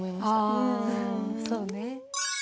あそうね。